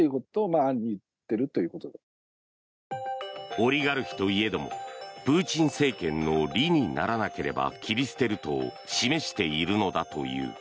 オリガルヒといえどもプーチン政権の利にならなければ切り捨てると示しているのだという。